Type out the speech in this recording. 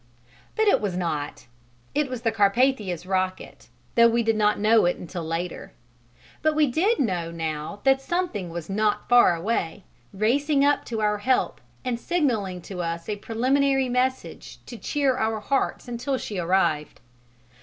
But it was not: it was the Carpathia's rocket, though we did not know it until later. But we did know now that something was not far away, racing up to our help and signalling to us a preliminary message to cheer our hearts until she arrived.